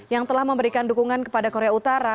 yang telah memberikan dukungan kepada korea utara